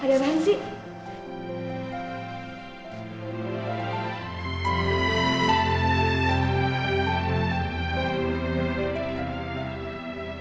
ada apaan sih